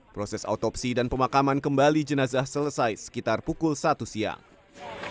proses autopsi dan pemakaman kembali jenazah selesai sekitar pukul satu siang